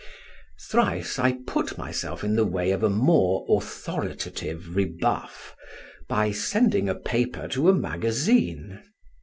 Thrice I put myself in the way of a more authoritative rebuff, by sending a paper to a magazine.